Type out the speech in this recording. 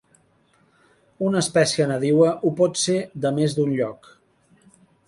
Una espècie nadiua ho pot ser de més d'un lloc.